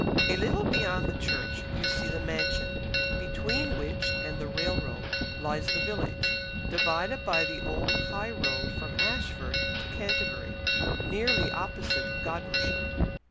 A little beyond the church you see the mansion, between which and the railroad lies the village, divided by the old high road from Ashford to Canterbury, nearly opposite Godmersham.